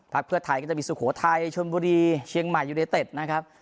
เพื่อไทยก็จะมีสุโขทัยชนบุรีเชียงใหม่ยูเนเต็ดนะครับ